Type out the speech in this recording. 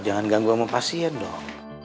jangan ganggu sama pasien dong